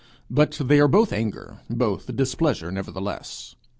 But they are both anger, both displeasure, nevertheless.